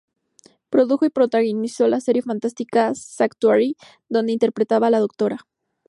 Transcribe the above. Produjo y protagonizó la serie fantástica Sanctuary, dónde interpretaba a la Dra.